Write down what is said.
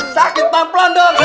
sakit pelan pelan dong